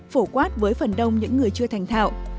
phổ quát với phần đông những người chưa thành thạo